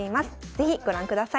是非ご覧ください。